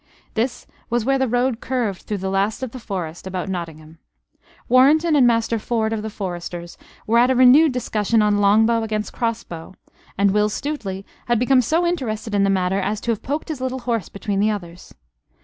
This was where the road curved through the last of the forest about Nottingham. Warrenton and Master Ford of the foresters were at a renewed discussion on longbow against crossbow; and Will Stuteley had become so interested in the matter as to have poked his little horse between the others.